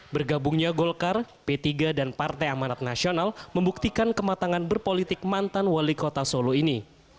bergabungnya golkar p tiga dan partai amanat nasional membuktikan kematangan berpolitik mantan wali kota solo ini